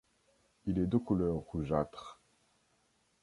Il est de couleur rougeâtre.